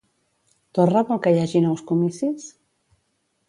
Torra vol que hi hagi nous comicis?